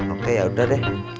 oke yaudah deh